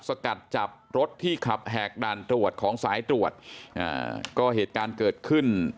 สกัดจับรถที่ขับแหกด่านตรวจของสายตรวจอ่าก็เหตุการณ์เกิดขึ้น